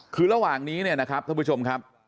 คือระหว่างนี้เนี่ยนะครับท่านผู้ชมครับ